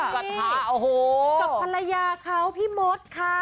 กับภรรยาเขาพี่มดค่ะ